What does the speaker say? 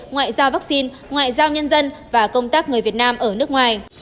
ngoại giao vaccine ngoại giao nhân dân và công tác người việt nam ở nước ngoài